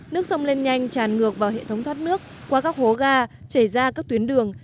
nước sông lên nhanh tràn ngược vào hệ thống thoát nước qua các hố ga chảy ra các tuyến đường